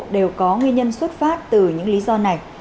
đều có nguyên nhân xuất phát từ những lý do này